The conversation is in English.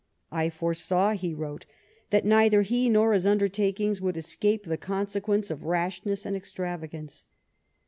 " I foresaw," he wrote, " that neither he nor his undertakings would escape the consequence of rashness and extravagance.